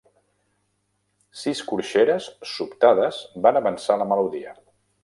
Sis corxeres sobtades van avançar la melodia.